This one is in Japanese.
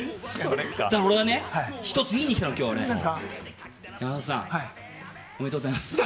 俺はね、１つ言いに来たの、山里さん、おめでとうございます！